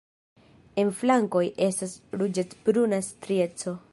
En flankoj estas ruĝecbruna strieco.